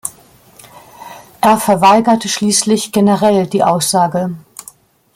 Er verweigerte schließlich generell die Aussage.